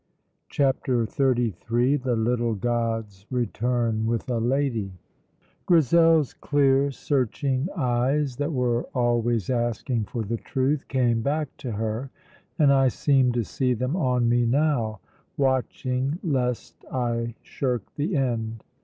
CHAPTER XXXIII THE LITTLE GODS RETURN WITH A LADY Grizel's clear, searching eyes, that were always asking for the truth, came back to her, and I seem to see them on me now, watching lest I shirk the end.